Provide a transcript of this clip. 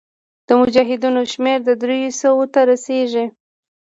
د مجاهدینو شمېر دریو سوو ته رسېدی.